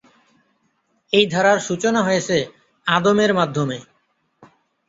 এই ধারার সূচনা হয়েছে আদম-এর মাধ্যমে।